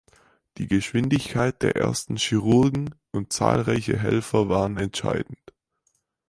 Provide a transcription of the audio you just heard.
Die Geschwindigkeit der ersten Chirurgen und zahlreiche Helfer waren entscheidend.